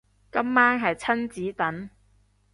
今晚係親子丼